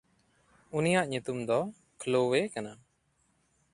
ᱩᱱᱤᱭᱟᱜ ᱧᱩᱛᱩᱢ ᱫᱚ ᱠᱷᱞᱚᱣᱮ ᱠᱟᱱᱟ᱾